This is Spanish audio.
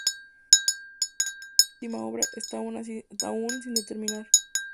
La fecha de esta última obra está aún sin determinar.